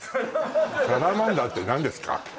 サラマンダーって何ですか？